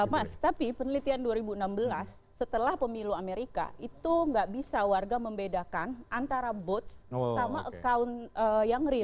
mas tapi penelitian dua ribu enam belas setelah pemilu amerika itu nggak bisa warga membedakan antara bots sama account yang real